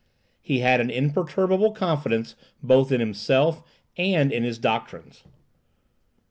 He had an imperturbable confidence both in himself and in his doctrines.